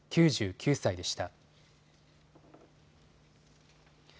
９９歳でした。